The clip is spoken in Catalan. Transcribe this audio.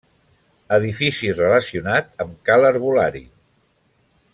Edifici relacionat amb Ca l'Herbolari.